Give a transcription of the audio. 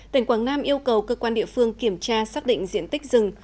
tỉnh quảng nam yêu cầu cơ quan địa phương kiểm tra xác định diện tích rừng